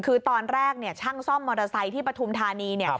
คือตอนแรกเนี่ยช่างซ่อมมอเตอร์ไซค์ที่ปฐุมธานีเนี่ย